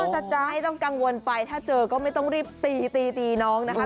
จะใจต้องกังวลไปถ้าเจอก็ไม่ต้องรีบตีตีตีน้องนะคะ